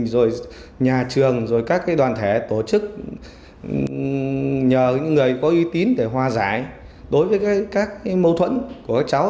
rồi nhà trường rồi các đoàn thể tổ chức nhờ những người có uy tín để hòa giải đối với các mâu thuẫn của các cháu